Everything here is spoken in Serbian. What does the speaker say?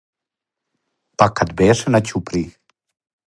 Па кад беше на ћуприји